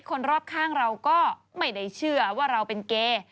คนรอบข้างเราก็ไม่ได้เชื่อว่าเราเป็นเกย์